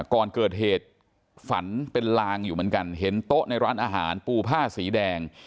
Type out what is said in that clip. ก่อนเกิดเหตุฝันเป็นลางอยู่เหมือนกันเห็นโต๊ะในร้านอาหารปูผ้าสีแดง